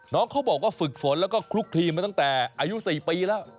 เขาบอกว่าฝึกฝนแล้วก็คลุกคลีมาตั้งแต่อายุ๔ปีแล้ว